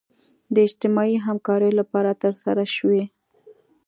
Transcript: د اجتماعي همکاریو لپاره ترسره شوي.